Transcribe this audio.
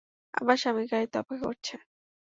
আমার স্বামী গাড়িতে অপেক্ষা করছে।